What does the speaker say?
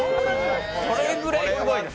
それぐらいすごいです。